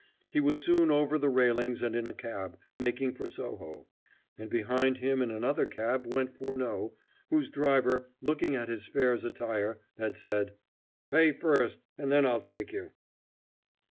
He was soon over the railings and in a cab, making for Soho; and behind him in another cab went Furneaux, whose driver, looking at his fare's attire, had said, "Pay first, and then I'll take you."